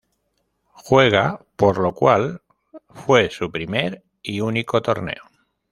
Juega por lo cual fue su primer y único torneo.